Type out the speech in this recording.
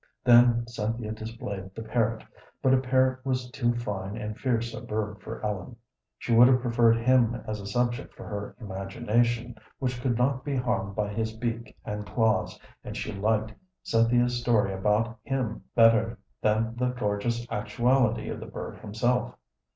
Then Cynthia displayed the parrot, but a parrot was too fine and fierce a bird for Ellen. She would have preferred him as a subject for her imagination, which could not be harmed by his beak and claws, and she liked Cynthia's story about him better than the gorgeous actuality of the bird himself.